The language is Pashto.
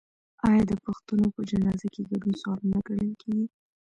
آیا د پښتنو په جنازه کې ګډون ثواب نه ګڼل کیږي؟